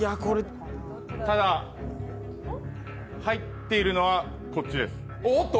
ただ、入っているのはこっちです。